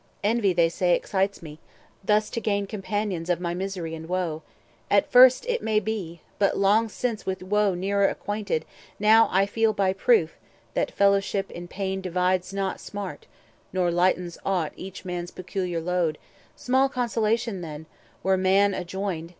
Envy, they say, excites me, thus to gain Companions of my misery and woe! At first it may be; but, long since with woe Nearer acquainted, now I feel by proof 400 That fellowship in pain divides not smart, Nor lightens aught each man's peculiar load; Small consolation, then, were Man adjoined.